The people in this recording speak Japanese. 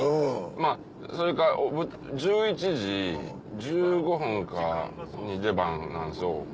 まぁそれか１１時１５分が出番なんですよ。